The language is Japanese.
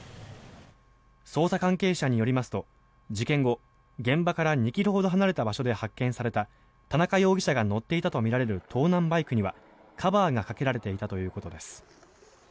捜査関係者によりますと、事件後現場から２ｋｍほど離れた場所で発見された田中容疑者が乗っていたとみられる盗難バイクにはカバーがかけられていたということです。